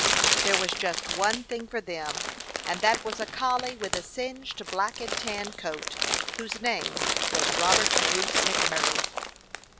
There was just one thing for them, and that was a collie with a singed black and tan coat, whose name was Robert Bruce MacMurray.